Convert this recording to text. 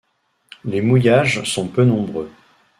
Les mouillages sont peu nombreux.